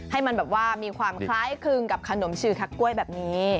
ให้มันแบบว่ามีความคล้ายคลึงกับขนมชื่อคักกล้วยแบบนี้